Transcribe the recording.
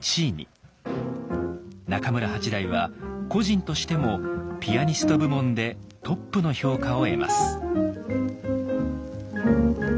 中村八大は個人としてもピアニスト部門でトップの評価を得ます。